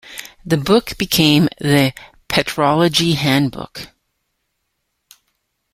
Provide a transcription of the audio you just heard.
This book became "the" petrology handbook.